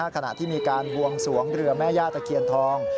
ขณะที่มีการบวงสวงเรือแม่ย่าตะเคียนทอง